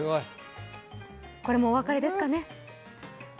これもお別れですかね。